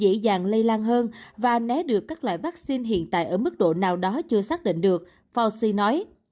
điều này cho thấy chủng mới có thể dễ dàng lây lan hơn và né được các loại vaccine hiện tại ở mức độ nào đó chưa xác định được fauci nói